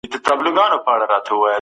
مطیع